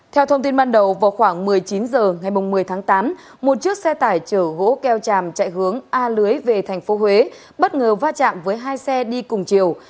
theo thông tin ban đầu vào khoảng một mươi chín h ngày một mươi tháng tám một chiếc xe tải chở gỗ keo tràm chạy hướng a lưới về tp huế bất ngờ va chạm với hai xe đi cùng chiều